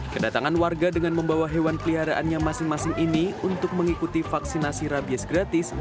kedatangan warga dengan membawa hewan peliharaannya masing masing ini untuk mengikuti vaksinasi rabies gratis